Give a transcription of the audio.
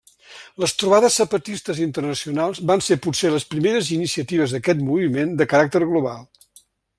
Les trobades zapatistes internacionals van ser potser les primeres iniciatives d'aquest moviment de caràcter global.